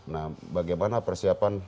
nah bagaimana persiapan